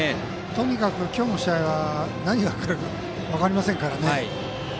とにかく今日の試合は何が起こるか分かりませんので。